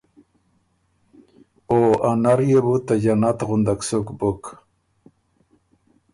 او ا نر يې بو ته جنت غُندک سُک بُک